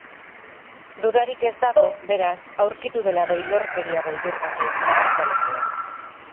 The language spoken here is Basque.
Dudarik ez dago, beraz, aurkitu dela doilorkeria beldurgarri honen gertalekua.